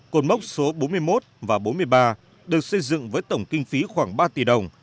cột mốc số bốn mươi một và bốn mươi ba được xây dựng với tổng kinh phí khoảng ba tỷ đồng